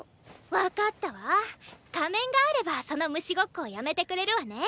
分かったわ仮面があればその虫ごっこをやめてくれるわね。